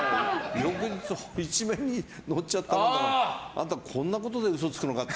翌日１面に載っちゃったからあんた、こんなことで嘘つくのかって。